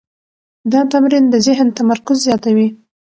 دا تمرین د ذهن تمرکز زیاتوي.